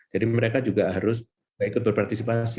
jadi mereka juga harus ikut berpartisipasi